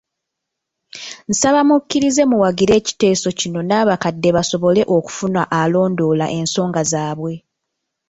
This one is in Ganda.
Nsaba mukkirize muwagire ekiteeso kino n’abakadde basobole okufuna alondoola ensonga zaabwe.